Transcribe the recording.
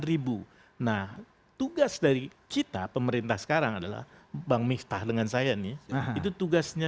ribu nah tugas dari kita pemerintah sekarang adalah bang miftah dengan saya nih itu tugasnya